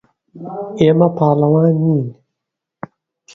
ئێمە پاڵەوان نین.